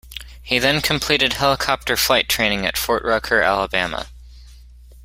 He then completed helicopter flight training at Fort Rucker, Alabama.